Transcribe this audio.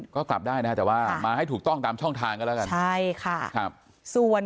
ก็กลับได้แต่ตามช่องทางก็ละกัน